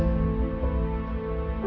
nanti mama ceritain semuanya